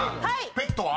ペットは？］